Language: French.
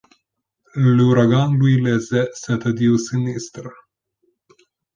L’ouragan lui laissait cet adieu sinistre.